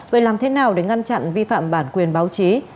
vậy làm thế nào để ngăn chặn vi phạm bản quyền báo chí